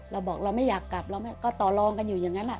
เราบอกเราไม่อยากกลับเราก็ต่อลองกันอยู่อย่างนั้นแหละ